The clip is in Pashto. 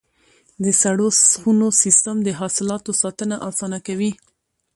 د سړو خونو سیستم د حاصلاتو ساتنه اسانه کوي.